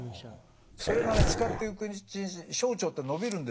それがね使っていくうちに小腸って伸びるんですって。